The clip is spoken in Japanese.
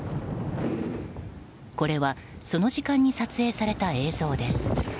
これはその時間に撮影された映像です。